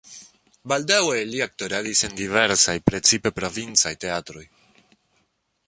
Baldaŭe li aktoradis en diversaj, precipe provincaj teatroj.